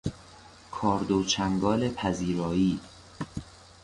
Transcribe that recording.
کارد و چنگال پذیرایی